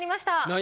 何？